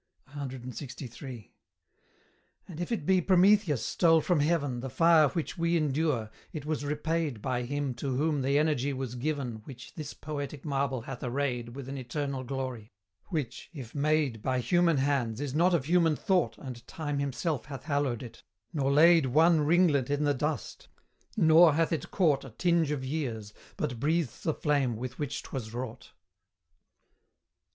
CLXIII. And if it be Prometheus stole from heaven The fire which we endure, it was repaid By him to whom the energy was given Which this poetic marble hath arrayed With an eternal glory which, if made By human hands, is not of human thought And Time himself hath hallowed it, nor laid One ringlet in the dust nor hath it caught A tinge of years, but breathes the flame with which 'twas wrought.